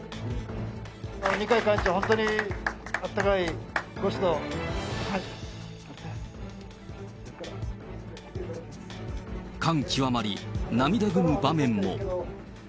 二階幹事長、本当にあったかいご指導、感極まり、涙ぐむ場面も。